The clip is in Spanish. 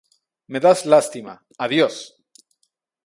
Me das lástima. Adiós.